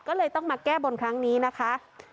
ก็เลยต้องมาแก้บนครั้งนี้นะคะ